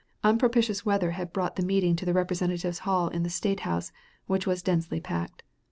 Unpropitious weather had brought the meeting to the Representatives' Hall in the State House, which was densely packed.